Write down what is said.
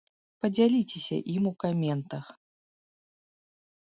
Падзяліцеся ім у каментах!